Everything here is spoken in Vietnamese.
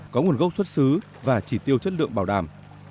có nguồn gốc xuất xứ và chỉ tiêu chất lượng bảo đảm